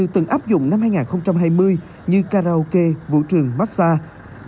từng áp dụng năm hai nghìn hai mươi như karaoke vũ trường massage